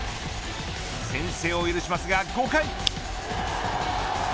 先制を許しますが５回。